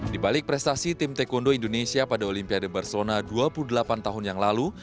di balik prestasi tim taekwondo indonesia pada olimpiade barcelona dua puluh delapan tahun yang lalu